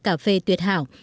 cà phê tuyệt hảo